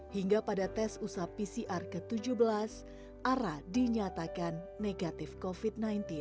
hingga pada tes usaha pcr ke tujuh belas ara dinyatakan negatif covid sembilan belas